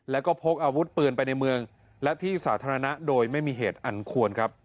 แล้วก็พกอาวุธปืนไปในเมืองและที่สาธารณะโดยไม่มีเหตุอันควรครับ